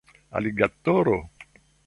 aligatoro